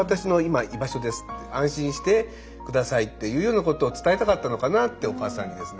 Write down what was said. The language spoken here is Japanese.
安心して下さいっていうようなことを伝えたかったのかなってお母さんにですね